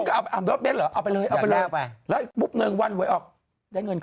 การเล่นหัวอังกษัตริย์